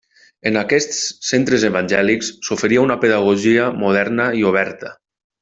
En aquests centres evangèlics s'oferia una pedagogia moderna i oberta.